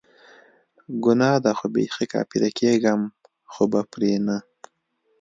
ګناه ده خو بیخي کافره کیږم خو به پری نه